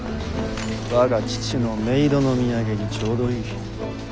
我が父の冥土の土産にちょうどいい。